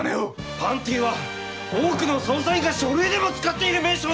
「パンティ」は多くの捜査員が書類でも使っている名称です！